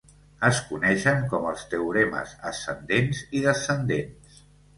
Es coneixen com els teoremes ascendents i descendents.